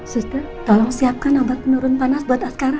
susta tolong siapkan obat penurun panas buat asgara